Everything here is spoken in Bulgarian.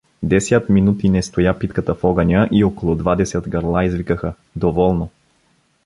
Десят минути не стоя питката в огъня, и около двадесят гърла извикаха: Доволно!